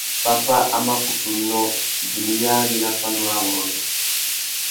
Pápá a má kutu nnô, djumiyari nà pandúrâwurrôndô.